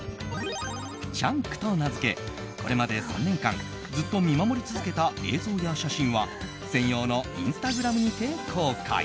チャンクと名付け、これまで３年間ずっと見守り続けた映像や写真は専用のインスタグラムにて公開。